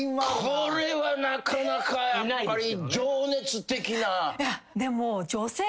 これはなかなかやっぱり。